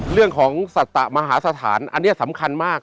เรื่องของสัตมหาสถานอันนี้สำคัญมาก